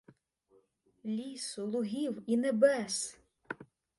Лісу, лугів і небес!